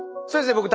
そうですね